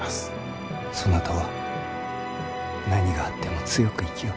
そなたは何があっても強く生きよ。